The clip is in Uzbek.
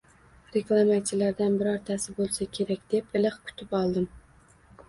Reklamachilardan birortasi bo`lsa kerak deb iliq kutib oldim